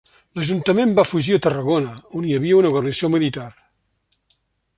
L'ajuntament va fugir a Tarragona, on hi havia una guarnició militar.